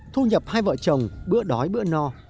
thu nhập hai vợ chồng bữa đói bữa no